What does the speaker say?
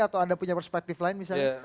atau anda punya perspektif lain misalnya